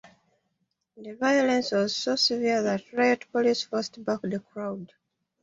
The violence was so severe that riot police forced back the crowd.